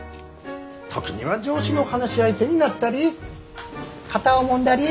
時には上司の話し相手になったり肩をもんだり。